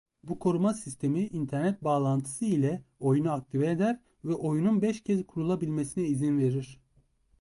Bu koruma sistemi internet bağlantısı ile oyunu aktive eder ve oyunun beş kez kurulabilmesine izin verir.